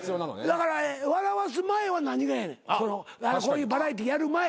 だから笑わす前は何がええねんこういうバラエティーやる前。